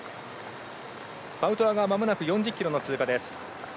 パウトワがまもなく４０ｋｍの通過です。